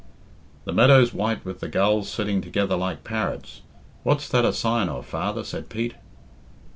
"The meadow's white with the gulls sitting together like parrots; what's that a sign of, father?" said Pete.